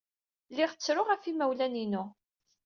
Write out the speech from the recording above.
Lliɣ ttruɣ ɣef yimawlan-inu.